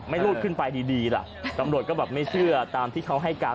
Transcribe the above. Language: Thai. รูดขึ้นไปดีล่ะตำรวจก็แบบไม่เชื่อตามที่เขาให้การ